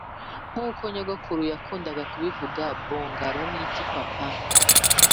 nkuko nyogokuru yakundaga kubivuga!'bongaloo ni iki, papa?'